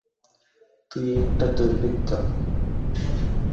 তুই একটা দুর্বৃত্ত!